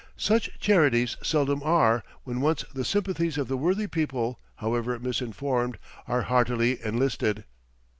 Such charities seldom are when once the sympathies of the worthy people, however misinformed, are heartily enlisted.